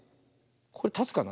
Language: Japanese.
これたつかな。